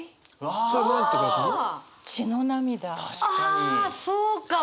あそうかも。